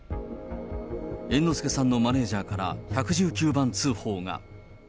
猿之助さんのマネージャーから１１９番通報が。